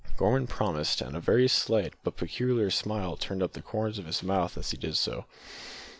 Gorman promised, and a very slight but peculiar smile turned up the corners of his mouth as he did so.